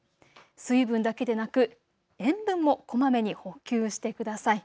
水分だけでなく塩分もこまめに補給してください。